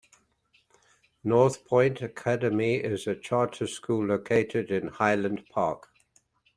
Northpointe Academy is a charter school located in Highland Park.